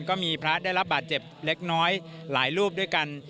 ก็มีพระได้รับบาดเจ็บเล็กน้อยหลายรูปด้วยกัน